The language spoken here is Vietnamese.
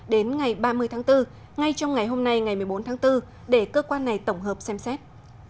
đến ngày ba mươi tháng bốn ngay trong ngày hôm nay ngày một mươi bốn tháng bốn để cơ quan này tổng hợp xem xét